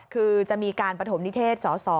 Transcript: คือจะมีการประถมนิเทศสอสอ